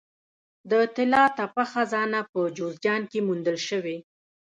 د طلا تپه خزانه په جوزجان کې وموندل شوه